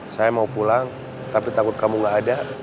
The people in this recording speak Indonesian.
saya mau pulang tapi takut kamu gak ada